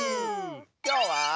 きょうは。